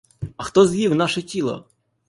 А хто з'їв наше тіло?